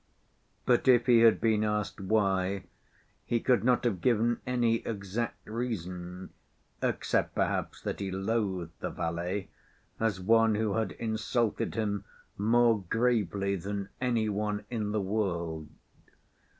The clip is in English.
But if he had been asked why, he could not have given any exact reason, except perhaps that he loathed the valet as one who had insulted him more gravely than any one in the world.